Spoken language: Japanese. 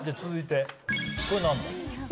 続いてこれなんだ？